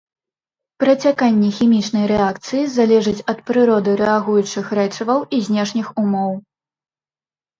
Працяканне хімічнай рэакцыі залежыць ад прыроды рэагуючых рэчываў і знешніх умоў.